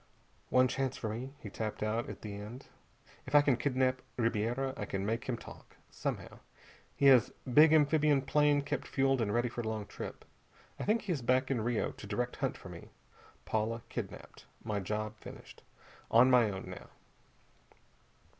"One chance for me," he tapped off at the end. "_If I can kidnap Ribiera I can make him talk. Somehow. He has big amphibian plane kept fueled and ready for long trip. I think he is back in Rio to direct hunt for me. Paula kidnapped. My job finished. On my own now.